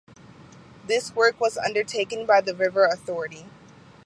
This work was undertaken by the river authority.